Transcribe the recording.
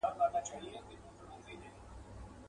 دا بلي ډېوې مړې که زما خوبونه تښتوي.